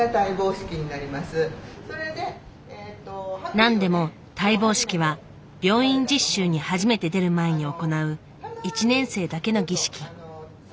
なんでも戴帽式は病院実習に初めて出る前に行う１年生だけの儀式。